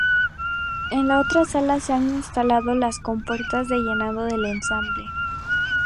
En la otra sala se han instalado las compuertas de llenado del embalse.